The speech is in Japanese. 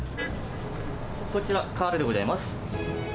こちら、カールでございます。